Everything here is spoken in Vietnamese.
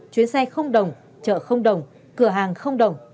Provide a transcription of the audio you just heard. chuyến xe không đồng chợ không đồng cửa hàng không đồng